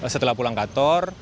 setelah pulang kantor